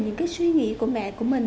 những suy nghĩ của mẹ của mình